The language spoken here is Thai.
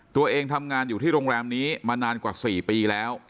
ตัวเองทำงานอยู่ที่โรงแรมนี้มานานกว่า๔ปีแล้ว